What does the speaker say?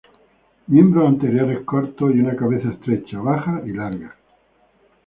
Miembros anteriores cortos y una cabeza estrecha, baja y larga.